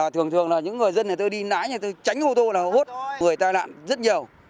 thường thường là những người dân này tôi đi nái như thế tôi tránh ô tô là hút người tai nạn rất nhiều